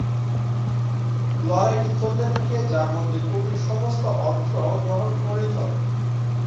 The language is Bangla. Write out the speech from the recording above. লড়াইটি চলতে থাকে যার মধ্যে কবির সমস্ত অর্থ গ্রহণ করে চলে।